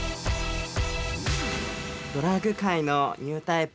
ドラァグ界のニュータイプ